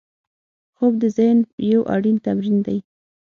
خوب د ذهن یو اړین تمرین دی